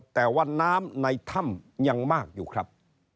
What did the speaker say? แต่ว่าน้ำในถ้ำยังมากอยู่ครับ